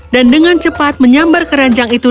dan dengan cepat menyambar keranjang itu